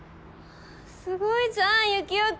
すごいじゃんユキオ君！